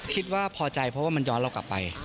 คิดว่าพอใจเพราะว่ามันย้อนเรากลับไป